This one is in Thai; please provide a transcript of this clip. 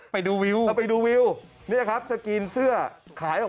ไปดูวิวเปลี่ยนไปดูวิวที่ชาวสถานีผู้ชายเขามาดูวิว